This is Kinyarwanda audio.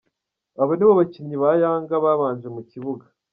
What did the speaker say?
Aba ni bo bakinnyi ba Yanga babanje mu kibuga.